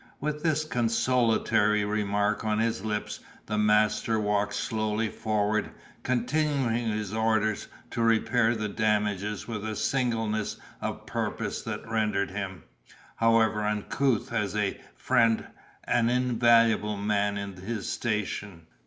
With this consolatory remark on his lips, the master walked slowly forward, continuing his orders to repair the damages with a singleness of purpose that rendered him, however uncouth as a friend, an invaluable man in his station.